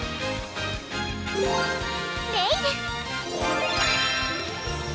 ネイル！